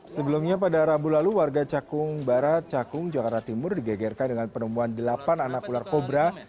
sebelumnya pada rabu lalu warga cakung barat cakung jakarta timur digegerkan dengan penemuan delapan anak ular kobra